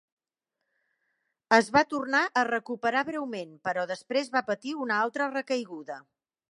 Es va tornar a recuperar breument, però després va patir una altra recaiguda.